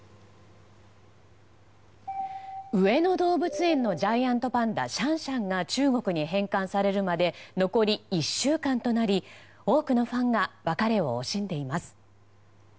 上野動物園のジャイアントパンダシャンシャンが中国に返還されるまで残り１週間となり多くのファンが別れを惜しんでいます。